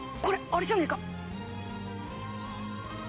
あれじゃねえか？